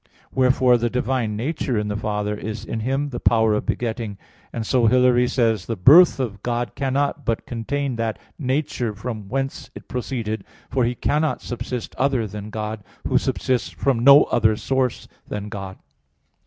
Wherefore the divine nature in the Father is in Him the power of begetting. And so Hilary says (De Trin. v): "The birth of God cannot but contain that nature from which it proceeded; for He cannot subsist other than God, Who subsists from no other source than God."